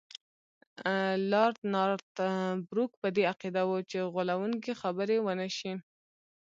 لارډ نارت بروک په دې عقیده وو چې غولونکي خبرې ونه شي.